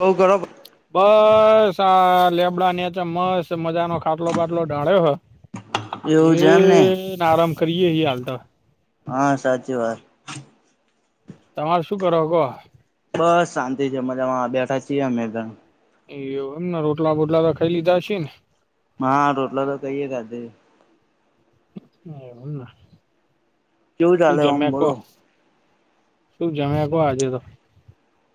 બહુ ગરમ બસ આ લેબડા નેચે મસ્ત મજા નો ખાટલો બાટલો ડાળ્યો હ એવું એ છે એમ ને આરામ કરીએ હાલ તો હા સાચી વાત તમારે શું કરો કો બસ શાંતિ છે મજામાં બેઠા છીએ અમેતો એવું એમને રોટલા બોટલા તો ખાઈ લીધા છે ને હા રોટલા તો [inaudible] સારું એમને કેવું શું ચાલે ઓમ જમયા કહો બોલો [unintelligible] આજે તો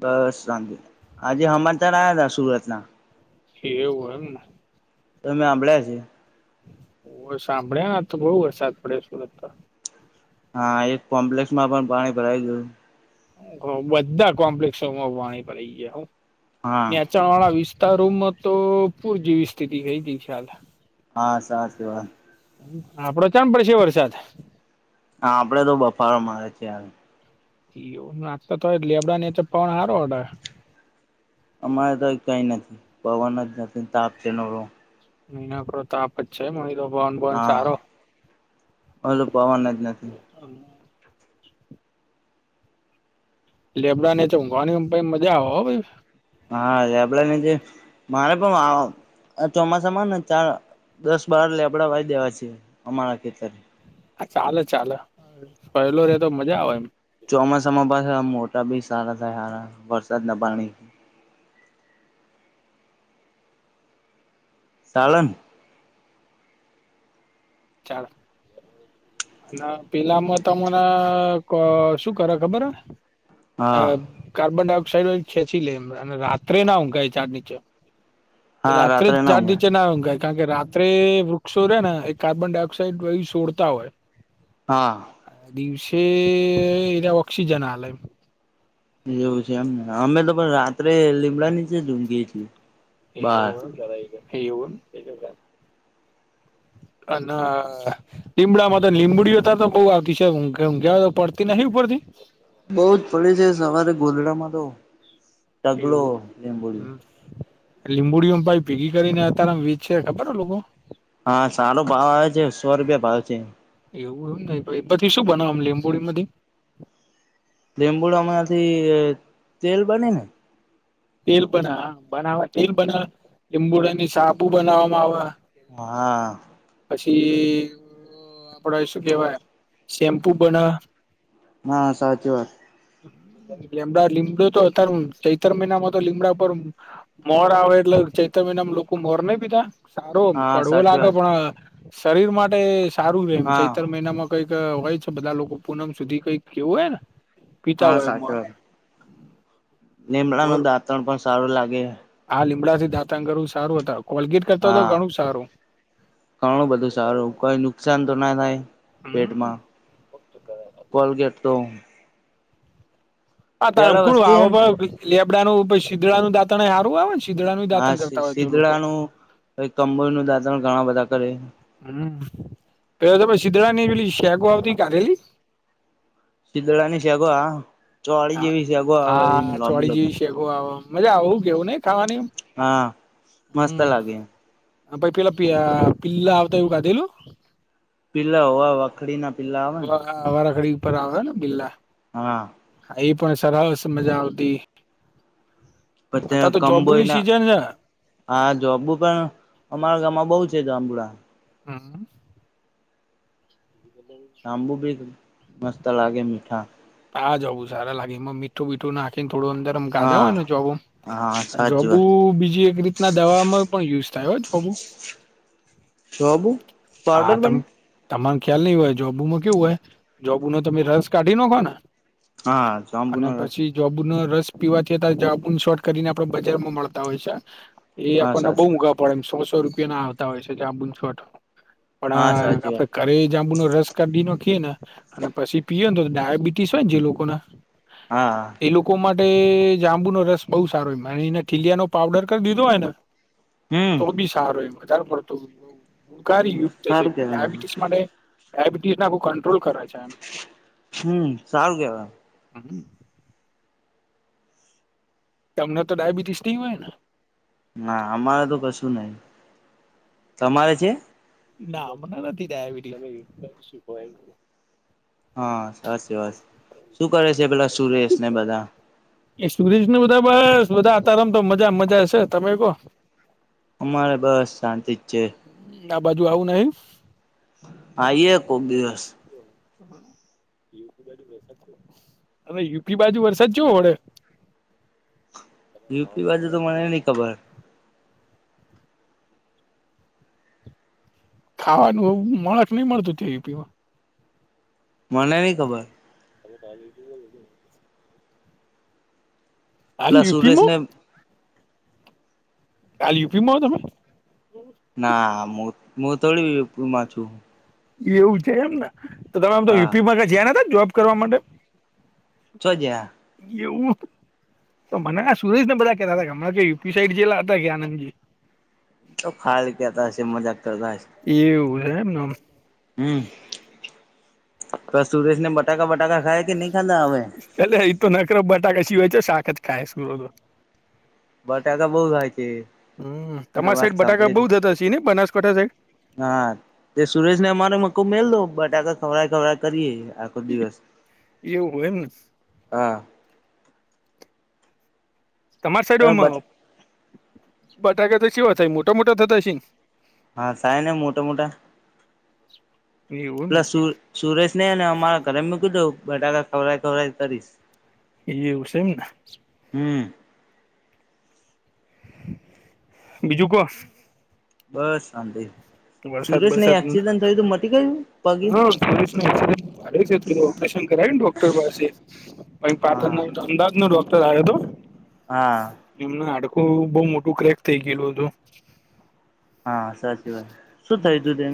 બસ શાંતિ આજે હમાંચાર આયા હતા સુરત ના એવું એમને તમેં હાભળ્યા છે ઓ સાંભળ્યા તો બહુ વરસાદ પડયો સુરત તો હા એક કોમ્પ્લેક્ષ માં પણ પાણી ભરાય ગયું બધા કોમ્પ્લેક્ષોમાં પાણી ભરાય ગયા હા નિચાણ વાળા વિસ તા રૂમમાં તો પૂર જેવી સ્થિતિ થઈ ગઈ તી ખ્યાલ હા [unintelligible] આપડો ચામ પડશે વરસાદ હા આપડે તો બફારો મારે છે યાર એવું [unintelligible] અમારે તો કઈ નથી પવન જ નથી તાપ છે [inaudible] મહીના પર તાપ છે મહિરો પવન બવન હા સારો ઓલો પવન જ નથી લેબડા નીચે ઉંઘવાની એમ પહી મજા આવે હો ભાઈ હા લેબડા નીચે મારે પણ આ આ ચોમાસામાં ને ચાર દસ બાર લેબડા વાય દેવા છે અમારા ખેતર હા ચાલે ચાલે પહેલો રે તો મજા આવે એમ. ચોમાસામાં પાછા મોટા બી સારા થાય હારા વરસાદ ના પાણી. સાલણ ચાલ. ના પેલામાં ત મને શું કરે ખબર હ. હા કાર્બન ડાયોક્સાઇડ ખેંચી લે અને રાત્રે ના ઉંઘાય ચાર નીચે રાત્રે ઝાડ નીચે ના ઉંઘાય કારણ કે રાત્રે વૃક્ષો રે ને એ કાર્બન ડાયોક્સાઈડ સોડતા હોય. હા. દિવસે એને ઓક્સિજન હાલે. એવું છે એમને અમે તો પણ રાત્રે લીમડા નીછે જ ઊંઘીએ છીએ. બાર [inaudible] [inaudible] અ ના. લીમડામાં તો લીમડીઓ તો બહ આવતી છે પડતી નથી ઉપડતી. બઉ જ પડે છે સવારે ગોધડામાં તો ઢગલો એવું લીંબુડીયો હમ્મ. લીંબુડીમાં ભાઈ ભેગી કરીને અતારમ વીજ છે ખબર હો લોકો હા સારો ભાવ આવે છે સો રૂપિયા ભાવ છે. એવું એ ન એ પછી શું બનાવામ લીંબોડી માંથી લીંબુડ હમણાથી તેલ બને ને. તેલ બના બનાવા તેલ બના લીબુડાની સાબુ બનાવવામાં આવે. હા. પછી આપડ શું કેહેવાય શેમ્પુ પણના. હા સાચી વાત. લમડા લીમડું તો અતાર ચતર મહિના માં તો લીમડા પર મોર આવે એટલે ચૈત મહિનામ લોકો મોર નહી પીધા. સારો એમ હા કડવો સાચી લાગે વાત પણ શરીર માટે સારું રમ હા ચૈતર મહિનામાં કઈક હોય છે બધા લોકો પૂનમ સુધી કઈક કેવું હોય ને. પીતા હા હોય ઉર લીમડા ન દાંતણ પણ સારું લાગે. આ લીમડાથી દાતંગરવું સારું હત કોલગીટ કરતા હતો હા. ઘણું સારું. ઘણું બધું સારું કોઈ નુકસાન તો ના થાય. હમ પેટમાં કોલગેટ તો આા તણ પેલા કોુણ વસ્તી હેન હ લેબડાનું શીધડાાનું દાંત સારું આવે ને. શીદડાનું હા દાંતણ કરતા હોય છે લોકો શીતળાનું કંબોળ નું દાંતણ ઘણા બધા કરે. હમ પેલા તો શીધડાાની પેલી શેક આવતી કાઢેલી. શીદડાની સેગો હ ચોળી જેવી સેગો આવે એ લોબી લોબી. ઓ મજા આવું કેવું ને ખાવાની હા મસ્ત હમ્મ. લાગે. પ પેલા પિલા આવતા એવું કાધેલું. પીલા હોવા વાખડી ના પીલા આવે ને. હ વારાખડી ઉપર આવે ને બિલા. હા. એ પણ સરસ મજા આવતી. પછ તો કંબોઈ જાંબુની ના સીઝન છેને. હા જોબુ પણ અમારા ગામમાં બઉુ છે તો આંબુળ. હમ. શંભુ ભી મસ્ત લાગે મીઠા. હા જવું સારા લાગે એમાં મીઠું બીઠું નાખીને થોડું અંદરમ ગાધા હા હોય ને જો. હા સાચી જોબુ વાત બીજી એક રીતના દવાવામાં પણ યુઝ થાય હોય જોબુ. જાબુ. હા તમ. તમાર ખ્યાલ નહી હોય જોબુમાં કેવું હોય જોબુ નો તમે રસ કાઢી નાખો ને. હા અને જાંબુનો રસ પછી. જોબુનોો રસ પીવાથી્યારે જાબુ શોર્ટ કરીને આપડ બજારમાં મળતા હોય છે. એ હા આપણને બહુ સાચી મઘવા પડે એમ સો સો રૂપિયા ના આવતા હોય છે કે આ બ શોર્ટ. પણ હા આ સાચી આપડે વાત ઘરે જાંબુનો રસ કાઢી નખીએ ને. અને પછી પીયને તો ડાયાબિટીસ હોય ને જે લોકો ના. હા. એ લોકો માટે જાંબુનો રસ બહુ સારો એ એને ખીલીિયાનો પાવડર કરી દીધો હોય ને. હમ તો બી સારો એ વધજારે પડતો. કાર યુક્ત છે સારું કેવાય ડાયાબિટીસ માટે ડાયાબિટીસ નાખ કંટ્રોલ કરે છે. હમ સારું કેવા. હમ. તમને તો ડાયાબિટીસ નઈ હોય ને. ના અમારે તો કશું નહી તમારે છે. ના હમણાં નથી ડાયાબિટીસ. શુ હોય. હા સાસી વાત છે. શું કરે છે પેલા સુરેશ ને બધા. એ સુરેશ ને બધા બસ બધા આ તારમ તો મજા મજા છે તમે કો. અમારે બસ શાંતિ જ છે. આ બાજુ આવું નહી. આઇએ કોક દિવસ. હવે યુપી બાજુ વરસાદ કેવો વડે. યુપી બાજુ તો મને નહીં ખબર. ખાવાનું મળે કે નહી મળતું થેપિયો. મને ની ખબર. [unintelligible] પેલા યુપીમાં સુરેશને. કાલ યુપીમાં તમે. ના હું હું થોડી યુપીમાં છું. એવું છે એમ તો તમે આમ તો હા યુપીમાં ક જયા જોબ કરવા માટે. છો જ્યાં. એવું. તો મને હે સુરેશ ને બધા કેતા હતા કે હમણાં યુપી સાઈડ જેએલા હતા કે આનંદજી. ખાલી કેતા હશે. મજાક કરતા હશે. એવું છે એમનેમ. હમ્મ તો સુરેશ ને બટાકા-બટાકા ખાય કે નહી ખાધા હવે. અલે ઈતો નખરો બટાકા સિવાય ચ્યાં શાક જ ખાય સ. બટાકા બહુ ખાય છે હમ્મ મેં તમારા વાત સાઈડ બટાકા બઉ થતા છી ને બનાસકાંઠા સાઈડ. ના. તે સુરેશ ને અમારો મકો મેલ દો બટાકા ખવરા ખવરાઈ કરીએ આખો દિવસ. એવું હોય એમ ને. હા. તમારી સાઈડમાં બટાકા તો સેવા થાય મોટા-મોટા થતા હશે ને. હા સાહે ને મોટા-મોટા. [inaudible] એવું પેલા સુ સુરેશને હેને અમારા ઘરે મૂકી દો બટાકા ખવરાઈ ખવરાઈ કરીશ. એવું સે એમ ને. હમ્મ. બીજું કો. બસ શાંતિ વરસાદ સુરેશનને વરસાદ એક્સિડન્ટ થયું તો મટી ગયું. પગે હા સુરેશને એકસીડન્ટ ભારે થયો હતો ઓપરેશન કરાયુ ને ડોક્ટર પાસે. પહી પાટણ હા. નઈ તો અમદાવાદનો ડોક્ટર આયો તો. હા. એમનું હાડકું બહુ મોટું ક્રેક થઇ ગયેલું હતું. હા સાચી વાત શું હતું થયું તું તે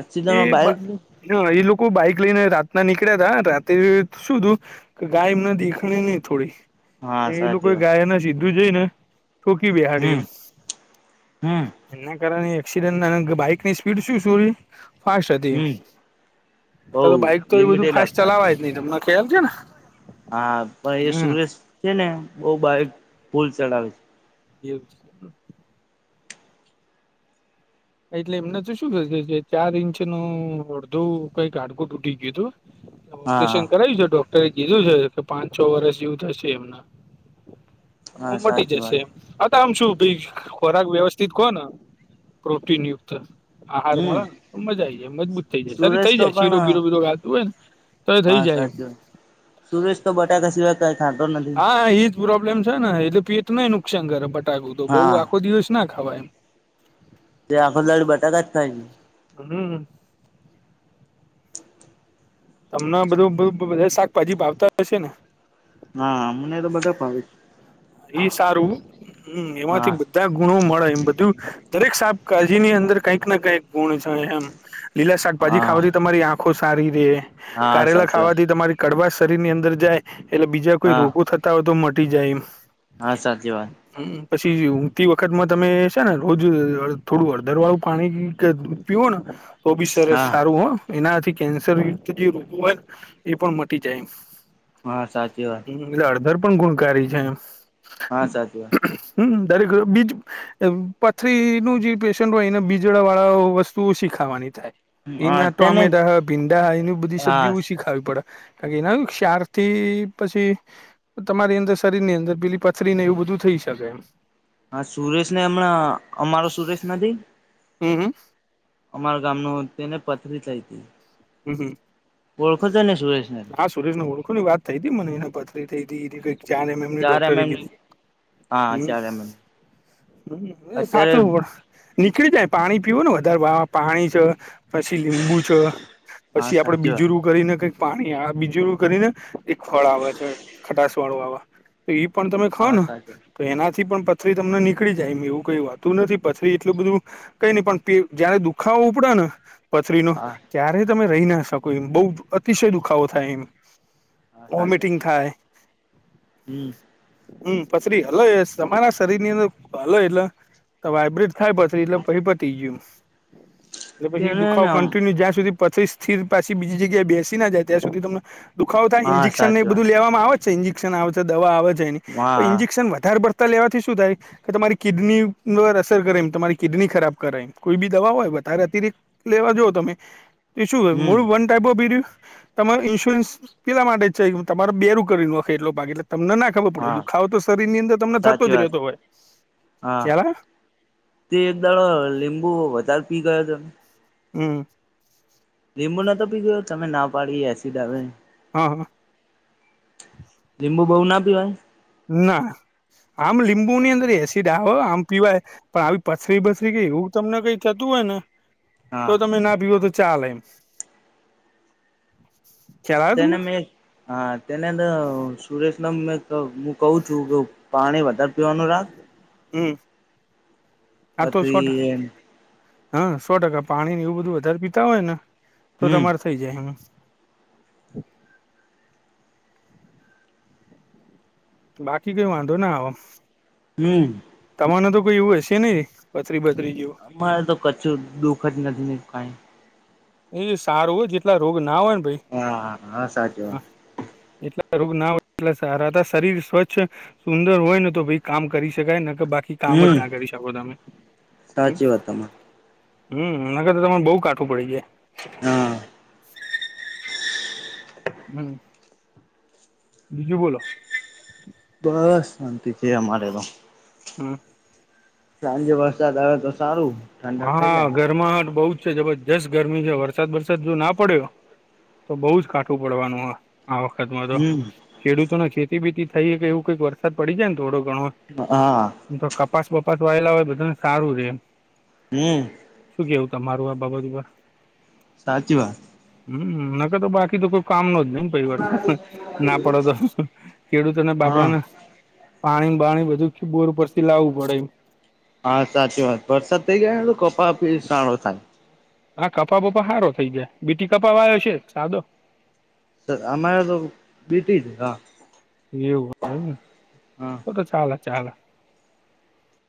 એકસીડન્ટમાં બાઈક ના એ લોકો બાઈક લઈને રાતના નીકળ્યા તા રાતે શું તું કે ગાય એમને દેખાણી નહી થોડી. હા એ સાચી લોકો વાત ગાયના સીધું જઈને ઠોકી બેહાડી હમ એમ. હમ એના કારણે એકસીડન્ટ બાઈકની સ્પીડ શું. ફાસ્ટ હતી, હમ બઉ અ તો બાઈક તો એ બધું લિમિટેડ ફાસ્ટ આપતા છે. ચલાવા જ નહી તમને. ખ્યાલ છે ને. હા પણ એ સુરેશ છે ને બહુ બારીક ફૂલ ચલાવે. એવું. એટલે એમને તો શું થશે ચાર ઇંચનું અડધું કઈક હાડકું તૂટી ગયું હતું. [inaudible] ઓપરેશન કરાવ્યું છે ડોક્ટરે કીધું છે કે પાંચ છ વર્ષ જેવું થશે એમના. હ હા મટી સાચી વાત જશે, એ આ તો આમ શું ભાઈ ખોરાક વ્યવસ્થિત કહો ને. પ્રોટીનયુક્ત. આહાર હમ મળે ને તો મજા આ આવી જાય, મજબૂત થઈ જાય, સરી થઇ સુરેશ તો જાય શીરો બીરો પણ બીરો હાલતું હોય ને. તો એ થઈ હા જાય એમ. સાચી વાત, સુરેશ તો બટાકા સિવાય કઈ ખાતો નથી હા એજ પ્રોબ્લેમ છે ને એટલે પેટનૂ નુકસાન કરે બટાકું તો બઉુ હા આખો દિવસ ના ખવાય એમ. તે આખો દાડ બટાકા જ થાય છે. હમ્મ. તમને બધું બધું બધા શાકભાજી ભાવતા હશે ને? હા મને તો બધા ભાવે છે. એ સારું, હમ્મ એમાંથી હા બધું બધા ગુણો મળેમ બધું, દરેક શાકભાજીની અંદર કઈક ના કઈક ગુણ છે એમ. લીલા શાકભાજી હા ખાવાથી તમારી આંખો સારી રે, હા કારેલા સાચી વાત ખાવાથી તમારી કડવાશ શરીરની અંદર જાય, એટલે બીજા કોઈ હા રોગો થતા હોય તો મટી જાય એમ. હા સાચી વાત. હમ્મ પછી ઊંઘતી વખતમાં તમે છે ને રોજ થોડું હડધર વાળું પાણી કે પીવો ને, તો બી સરસ હા સારું હો એનાથી કેન્સર જે રોગો હોયને, એ પણ મટી જાય. હા સાચી વાત. હડધર પણ ગુણકારી છે, હા સાચી હમ્મ દરેક બીજ પથરીનું જે પેશન્ટ હોય એને બીજળ વાળા વસ્તુ ઓછી ખાવાની થાય. એના વાત તેને ટોમેટા હા ભીંડા હા એની બધી હા સબ્જી છે ખાવી પડે, કારણ કે એના ક્ષારથી પછી તમારી અંદર શરીરની અંદર પેલી પથરી નહી એવું બધું થઈ શકે એમ. હા સુરેશ ને હમણાં અમારો સુરેશ નથી. હમ હ. અમારા ગામ નો તેને પથરી થય હતી. હમ હમ. ઓળખો છો ને સુરેશ હા સુરેશને ઓળખોની વાત થઈ હતી મને એને પથરી થઈ તી કઈ. ચાર એમ એમની ચાર એમ ડોક્ટરી એમ ની કીધી હા હમ, ચાર એમ એમ હ એ અત્યારે સાચું પણ નીકળી જાય પાણી પીવ ને વધારે વાહ પાણી છે, પછી લીંબુ છે. હા પછી આપડે સાચી વાત બીજુંરૂ એ કરીને કંક પાણી આ બીજુંરૂ કરીને એક ફળ આવે છે, ખટાસ વાળું આવે. તો ઈ પણ તમે ખાવ હા ને. સાચી વાત તો એનાથી પણ પથરી તમને નીકળી જાય એવું કઈ વાતું નથી પથરી એટલું બધું કઈ નહી પણ જયારે દુખાવો ઉપડ ને. પથરીનો, હા ત્યારે તમે રહી ના શકો એમ બહુ અતિશય દુખાવો થાય એમ. હા સાચી વોમિટિંગ વાત થાય. હમ હમ પતરી અલ્ સમમાના શરીરનીંદ હલ એટલા તો વાયબ્રિડ થાય પથરી એટલે પછી પતી ગયું. એ પછી તેનેને દુખાવો કન્ટિન્યુ જ્યાં સુધી પથરી સ્થિર પાછી બીજી જગ્યાએ બેસે જાય ત્યાં સુધી તમને દુખો થાય, હા ઇન્જેક્શનને એ સાચી બધું વાત લેવામાં આવે છે ઇન્જેક્શન છે દવા આવે છે. હા ઇન્જેક્શન વધારે પડતાં લેવાથી શું થાય. કે તમારી કિડની પરર અસર કરે એ તમારી કિડની ખરાબ કર યમ કોઈ બી દવા હોય વધારે અતિરિક્ત લેવા જ તમે, એ શું હમ મોળું વન ટાઈપ ઓ બીરયું. તમારે ઇન્સ્યોરન્સ પેલા માટે જ છે તમારો બેરું કરી હખે એટલો ભાગ એટલે તમને નાખ ખબર પડે હા દુખાવો તો શરીર ની અંદર તમને થતો સાચી જ વાત રહેતો હોય હા ખ્યાલ આય. તે એક દાડો લીંબુ વધારે પી ગયો હતોને, હમ. લીંબુ નતો પી ગયો તમે ના પાડી એસિડ આવે. હા હા. લીંબુ બહુ ના પીવાય? ના આમ લીંબુ ની અંદર એસિડ આવ આમ પીવાય. પણ આવી પથરી બથરી ગઈ એવું તમને કઈ થતું હોય ને તો હા તમે ના પીવો તો ચાલ એમ. ખ્યાલ આવે તેને તમને મેં હા તેને ત સુરેશને મેં ત હું કહું છું. પાણી વધારે પીવાનું રાખ, હમ આતો શોટ પછી હા સો ટકા પાણી એવું બધું વધારે પીતા હોય ને તો હમ તમારે થઇ જાય એમ. બાકી કઈ વાંધો ના આવ. હમ. તમાને તો કોઈ એવું હશે નહીં પથરી બથરી જેવું. અમારે તો કછું દુઃખ જ નથી ને કાઈ. એ સારું હોય જેટલા રોગ ના હોય ને ભાઈ, હા હા સાચી વાત. હા એટલા રોગ ના હોય એટલે સારા હતા શરીર સ્વચ્છ, સુંદર હોય ને તો ભાઈ કામ કરી શકાય નકર બાકી, કામ જ હમ ના કરી શકો તમે હમ, સાચી વાત તમારે હમ ન કરતા તમારે બહુ કાઠું પડી જાય. હા હમ બીજું બોલો. બસ શાંતિ છે અમારે તો, હા. સાંજે વરસાદ આવે તો સારું. ઠંડક થઈ હા જાય ગરમાહટ બઉ જ છે જબરજસ્ત ગરમી છે વરસાદ બરસાદ જો ના પડ્યો તો બહુ જ કાઠું પડવાનું હ આ વખત માં તો હમ ખેડૂતોને ખેતી બીતી થઈ કે એવું કઈક વરસાદ પડી જાય ને થોડો ઘણો હા મ તો કપાસ વપાસ વાયેલા હોય બધાને સારું રે એમ હમ શું કેવું તમારું આ બાબત પર? સાચી વા હમ ન ક તો બાકી તો કોઈ કામ ન જ નહી પરિવર્તન ના પડો તો ખેડૂત અને હા બાપડાને પાણી બાણી બધું બોર ઉપરથી લાવવું પડે એમ હા સાચી વાત વરસાદ થઈ ગયા એ તો કપા પી સાળો થાય હા કપા વપા સારો થઈ જાય બીટી કપા વાયો છે સાદો સર અમારે તો બીટી જ હા એવું ને હા તો તો ચાલ ચાલ